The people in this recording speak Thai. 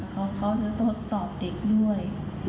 เขาจะตรวจสอบเด็กด้วย